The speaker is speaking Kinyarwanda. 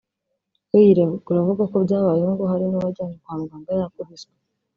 we yiregura avuga ko byabayeho ngo hari n’uwajyanywe kwa muganga yakubiswe